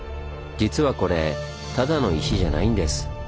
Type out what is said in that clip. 実はこれただの石じゃないんです。